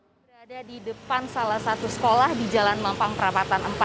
saya berada di depan salah satu sekolah di jalan mampang perapatan empat